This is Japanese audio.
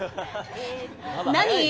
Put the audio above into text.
何？